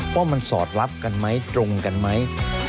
ว่ามันสอดรับกันไหมตรงกันไหม